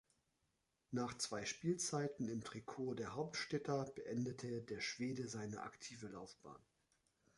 Nach zwei Spielzeiten im Trikot der Hauptstädter beendete der Schwede seine aktive Laufbahn.